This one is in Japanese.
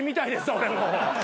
俺もう。